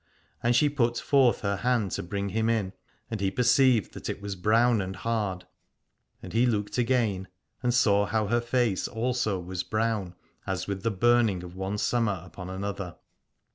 And she put forth her hand to bring him in, and he per ceived that it was brown and hard, and he looked again and saw how her face also was brown as with the burning of one summer upon another.